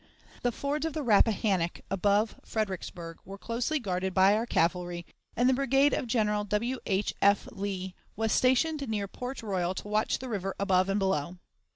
The fords of the Rappahannock above Fredericksburg were closely guarded by our cavalry, and the brigade of General W. H. F. Lee was stationed near Port Royal to watch the river above and below.